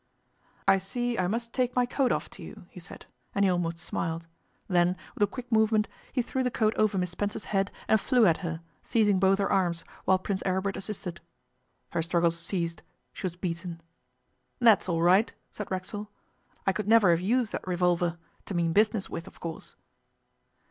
'I see I must take my coat off to you,' he said, and he almost smiled. Then, with a quick movement, he threw the coat over Miss Spencer's head and flew at her, seizing both her arms, while Prince Aribert assisted. Her struggles ceased she was beaten. 'That's all right,' said Racksole: 'I could never have used that revolver to mean business with it, of course.